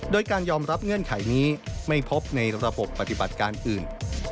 โดยการยอมรับเงื่อนไขนี้ไม่พบในระบบปฏิบัติการอื่น